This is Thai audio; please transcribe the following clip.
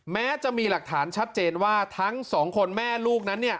แม้จะมีหลักฐานชัดเจนว่าทั้งสองคนแม่ลูกนั้น